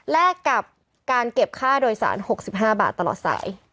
กับการเก็บค่าโดยสาร๖๕บาทตลอดสาย